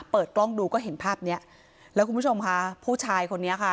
เปิดกล้องดูก็เห็นภาพเนี้ยแล้วคุณผู้ชมค่ะผู้ชายคนนี้ค่ะ